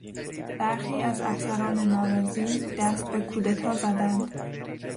برخی از افسران ناراضی دست به کودتا زدند.